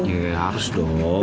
ya harus dong